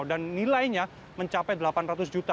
dan nilainya mencapai delapan ratus juta